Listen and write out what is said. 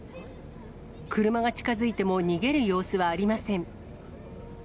車が近づいても逃げる様子はありません。